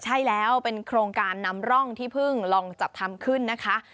ใช่แล้วเป็นโครงการนำร่องที่เพิ่งลองจัดทำขึ้นนะคะ